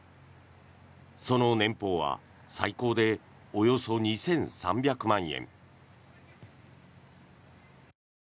その年俸は最高でおよそ２３００万円。